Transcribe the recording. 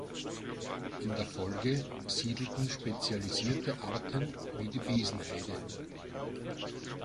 In der Folge siedelten spezialisierte Arten wie die Besenheide.